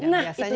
nah itu dia